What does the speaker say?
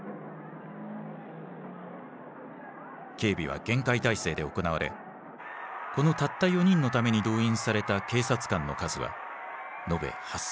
警備は厳戒態勢で行われこのたった４人のために動員された警察官の数は延べ８，０００人に上った。